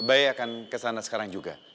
bayi akan kesana sekarang juga